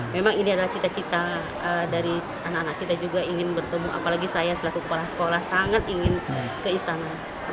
memang ini adalah cita cita dari anak anak kita juga ingin bertemu apalagi saya selaku kepala sekolah sangat ingin ke istana